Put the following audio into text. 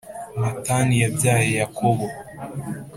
Matani yabyaye Yakobo,